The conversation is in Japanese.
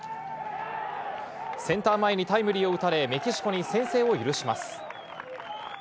センター前にタイムリーを打たれ、メキシコに先制を許します。